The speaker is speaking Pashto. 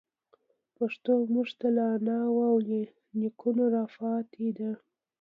پښتو موږ ته له اناوو او نيکونو راپاتي ده.